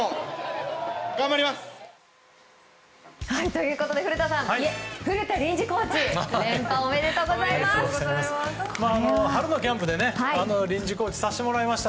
ということで古田さんいえ、古田臨時コーチ連覇おめでとうございます。